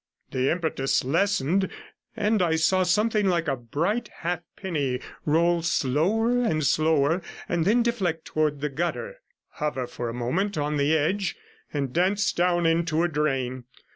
The impetus lessened, and I saw something like a bright halfpenny roll slower and slower, and then deflect towards the gutter, hover for a moment on the edge, and dance down into a drain.